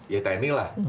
ya tni lah